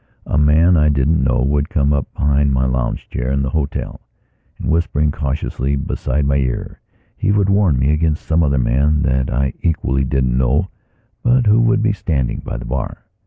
A man I didn't know would come up behind my lounge chair in the hotel, and, whispering cautiously beside my ear, would warn me against some other man that I equally didn't know but who would be standing by the bar.